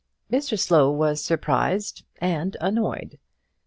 Mr Slow was surprised and annoyed.